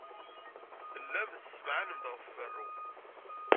Tellam tessemɛanem-d ɣef berru.